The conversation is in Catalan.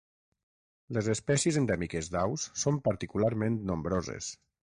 Les espècies endèmiques d'aus són particularment nombroses.